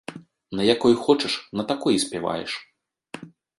На якой хочаш, на такой і спяваеш.